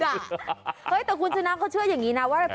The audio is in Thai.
แต่คุณชนะเขาเชื่ออย่างนี้นะว่า